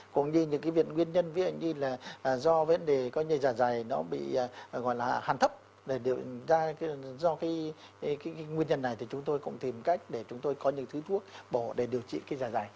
cũng như những cái nguyên nhân ví dụ như là do vấn đề coi như dạ dày nó bị gọi là hàn thấp do cái nguyên nhân này thì chúng tôi cũng tìm cách để chúng tôi có những thứ thuốc bỏ để điều trị cái giả dày